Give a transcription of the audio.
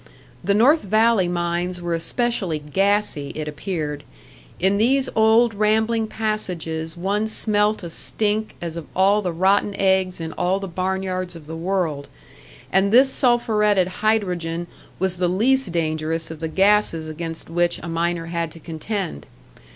The North Valley mines were especially "gassy," it appeared. In these old rambling passages one smelt a stink as of all the rotten eggs in all the barn yards of the world; and this sulphuretted hydrogen was the least dangerous of the gases against which a miner had to contend.